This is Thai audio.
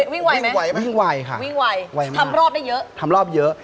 วิ่งไวไหมไวมันวิ่งไวค่ะวิ่งไวมากทำรอบได้เยอะทำรอบเยอะ